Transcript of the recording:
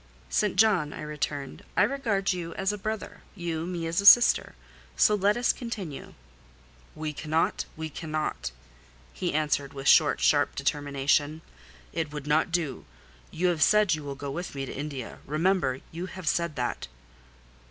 "St. John," I returned, "I regard you as a brother—you, me as a sister: so let us continue." "We cannot—we cannot," he answered, with short, sharp determination: "it would not do. You have said you will go with me to India: remember—you have said that."